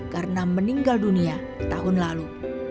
karena meninggal dunia tahun lalu